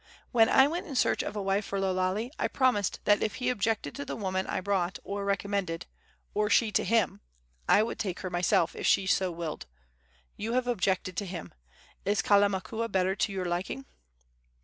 When I went in search of a wife for Lo Lale, I promised that if he objected to the woman I brought or recommended, or she to him, I would take her myself, if she so willed. You have objected to him. Is Kalamakua better to your liking?"